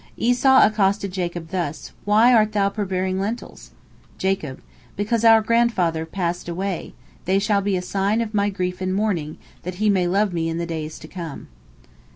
Esau accosted Jacob thus, "Why art thou preparing lentils?" Jacob: "Because our grandfather passed away; they shall be a sign of my grief and mourning, that he may love me in the days to come."